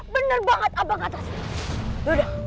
bener banget abang kata